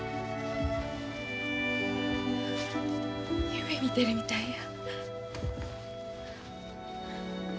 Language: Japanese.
夢見てるみたいや。